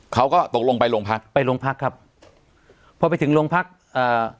เขาก็ตกลงไปโรงพักไปโรงพักครับพอไปถึงโรงพักอ่า